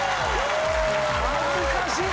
恥ずかしっ！